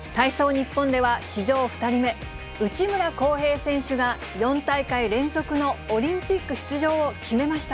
ニッポンでは史上２人目、内村航平選手が４大会連続のオリンピック出場を決めました。